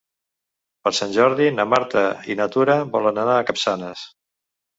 Per Sant Jordi na Marta i na Tura volen anar a Capçanes.